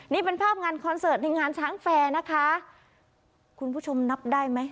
นี่เป็นภาพงานคอนเสิร์ตในงานช้างแฟร์นะคะคุณผู้ชมนับได้ไหม